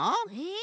え！